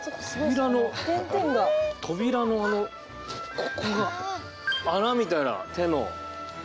扉の扉のあのここが穴みたいな手の。